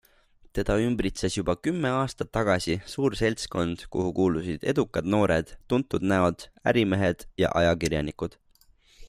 Teda ümbritses juba kümme aastat tagasi suur seltskond, kuhu kuulusid edukad noored, tuntud näod, ärimehed ja ajakirjanikud.